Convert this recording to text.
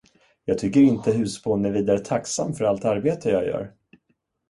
Jag tycker inte, husbond är vidare tacksam för allt arbete, jag gör.